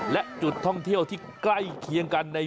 และจุดท่องเที่ยวที่ใกล้เคียงกัน